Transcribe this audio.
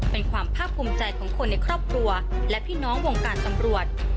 เป็นความภาคภูมิใจของคนในครอบครัวและพี่น้องวงการตำรวจ